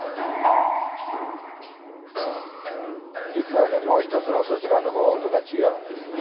実はねもう一つのそちらの方は音が違うんですよ。